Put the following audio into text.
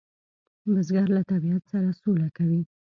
بزګر له طبیعت سره سوله کوي